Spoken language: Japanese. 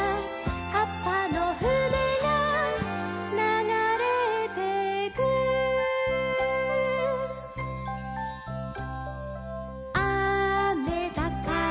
「はっぱのふねがながれてく」「あめだから」